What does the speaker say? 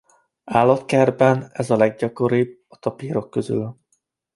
Állatkertekben ez a leggyakoribb a tapírok közül.